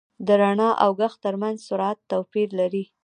• د رڼا او ږغ تر منځ سرعت توپیر لري.